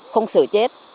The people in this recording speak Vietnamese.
không sợ chết